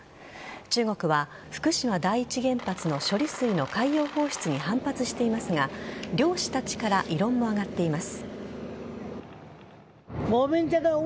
中国は福島第一原発の処理水の海洋放出に反発していますが漁師たちから異論は上がっています。